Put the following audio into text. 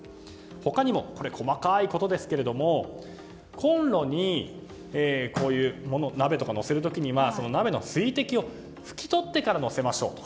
他にも細かいことですけどもコンロに、鍋とかを乗せる時には鍋の水滴を拭き取ってから乗せましょうと。